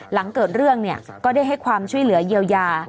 หลังเกิดเรื่องก็ได้ให้ความช่วยเหลือเยียวยา